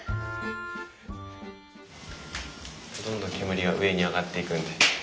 どんどん煙が上に上がっていくんで。